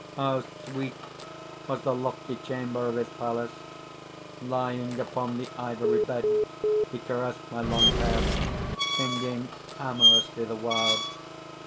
"How sweet was the lofty chamber of his palace! Lying upon the ivory bed, he caressed my long hair, singing amorously the while.